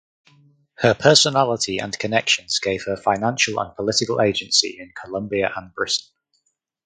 Her personality and connections gave her financial and political agency in Colombia and Britain.